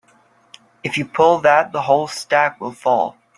If you pull that the whole stack will fall.